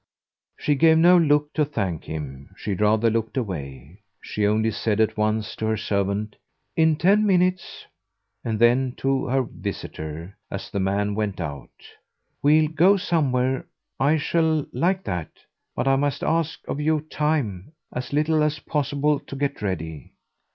She gave no look to thank him she rather looked away; she only said at once to her servant, "In ten minutes"; and then to her visitor, as the man went out, "We'll go somewhere I shall like that. But I must ask of you time as little as possible to get ready."